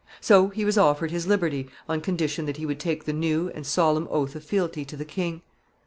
So he was offered his liberty on condition that he would take the new and solemn oath of fealty to the king.